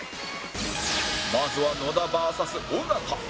まずは野田 ＶＳ 尾形